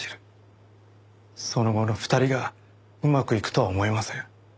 その後の２人がうまくいくとは思えません。